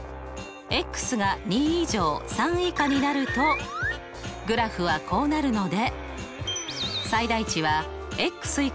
が２以上３以下になるとグラフはこうなるので。